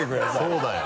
そうだよ